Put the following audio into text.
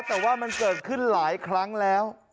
แต่ว่ามันเกิดขึ้นหลายครั้งแล้ว